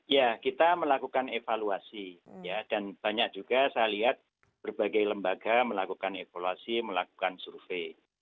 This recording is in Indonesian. ya kita melakukan evaluasi dan banyak juga saya lihat berbagai lembaga melakukan evaluasi melakukan survei